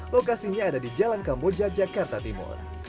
lokasinya ada di jalan kamboja jakarta timur